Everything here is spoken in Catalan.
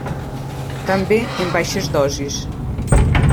També, en baixes dosis.